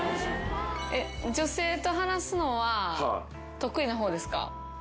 女性と話すのは得意な方ですか？